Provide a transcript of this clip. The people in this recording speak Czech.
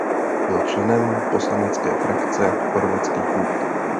Byl členem poslanecké frakce Chorvatský klub.